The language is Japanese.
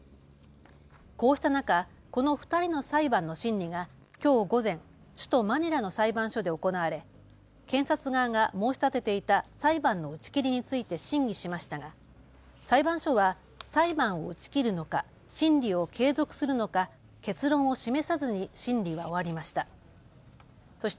こうした中、この２人の裁判の審理がきょう午前、首都マニラの裁判所で行われ検察側が申し立てていた裁判の打ち切りについて審議しましたが裁判所は裁判を打ち切るのか、審理を継続するのか結論を示さずに審理は終わりました。